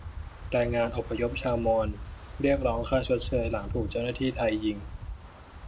แรงงานอพยพชาวมอญเรียกร้องค่าชดเชยหลังถูกเจ้าหน้าที่ไทยยิง